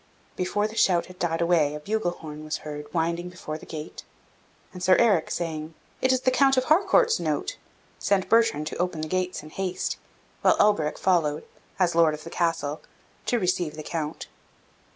Before the shout had died away, a bugle horn was heard winding before the gate; and Sir Eric, saying, "It is the Count of Harcourt's note," sent Bertrand to open the gates in haste, while Alberic followed, as Lord of the Castle, to receive the Count.